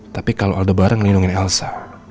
tapi kalau aldebaran ngelindungin elsa